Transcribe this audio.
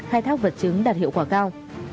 khai thác vật chứng đạt hiệu quả cao